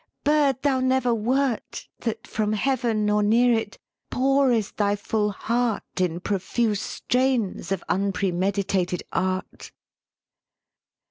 Bird thou never wert, That from heaven, or near it Pourest thy full heart In profuse strains of unpremeditated art."